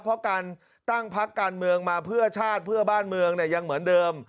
เพราะการตั้งพักการเมืองมาเพื่อชาติเพื่อบ้านเมืองยังเหมือนเดิม